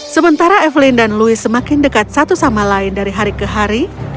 sementara evelyn dan louis semakin dekat satu sama lain dari hari ke hari